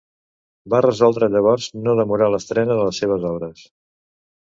Va resoldre llavors no demorar l'estrena de les seves obres.